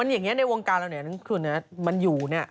อย่างนี้ในวงการเราเนี่ยนะคุณนะมันอยู่เนี่ย